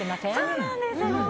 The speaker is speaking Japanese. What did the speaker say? そうなんです！